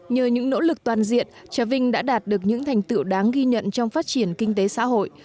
nhờ những nỗ lực toàn diện trà vinh đã đạt được những thành tựu đáng ghi nhận trong phát triển kinh tế xã hội